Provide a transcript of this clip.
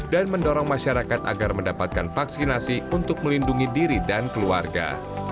dan mendorong masyarakat agar mendapatkan vaksinasi untuk melindungi diri dan keluarga